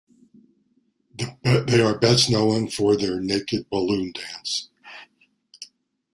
They are best known for their "Naked Balloon Dance".